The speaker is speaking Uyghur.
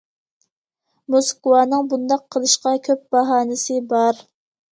موسكۋانىڭ بۇنداق قىلىشقا كۆپ باھانىسى بار.